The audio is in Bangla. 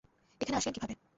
এখানে আসলেন কীভাবে?